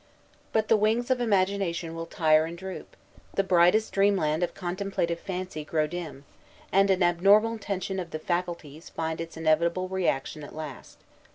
But the wings of imagination will tire and droop, the brightest dream land of contemplative fancy grow dim, and an abnormal tension of the faculties find its inevitable reaction at last.